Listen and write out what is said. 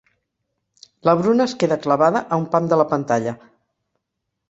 La Bruna es queda clavada a un pam de la pantalla.